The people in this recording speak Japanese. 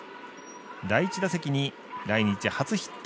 第１打席に来日初ヒット。